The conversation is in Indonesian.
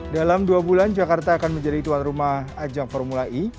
dalam dua bulan jakarta akan menjadi tuan rumah ajang formula e